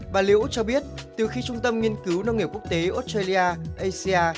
bà liễu cho biết từ khi trung tâm nghiên cứu nông nghiệp quốc tế australia asia